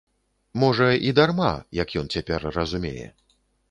Можа, і дарма, як ён цяпер разумее.